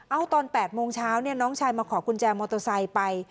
เอาตอน๘โมงเช้าน้องชายมาขอกุญแจมอเตอร์ไซค์ไป